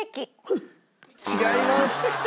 違います。